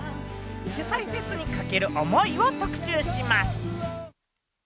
主催フェスにかける思いを特集します。